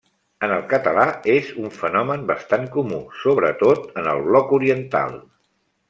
En el català és un fenomen bastant comú, sobretot en el bloc oriental.